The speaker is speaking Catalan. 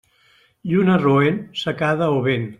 Lluna roent, secada o vent.